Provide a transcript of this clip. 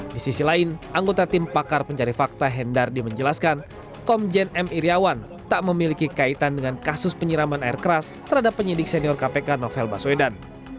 di sisi lain anggota tim pakar pencari fakta hendardi menjelaskan komjen m iryawan tak memiliki kaitan dengan kasus penyiraman air keras terhadap penyidik senior kpk novel baswedan